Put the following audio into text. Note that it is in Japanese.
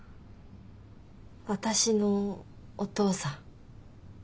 私のお父さん。